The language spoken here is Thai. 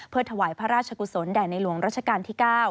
ถวายพระราชกุศลแด่ในหลวงรัชกาลที่๙